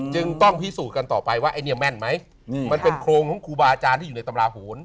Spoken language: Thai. จึงต้องพิสูจน์กันต่อไปว่าไอ้เนี่ยแม่นไหมมันเป็นโครงของครูบาอาจารย์ที่อยู่ในตำราโหน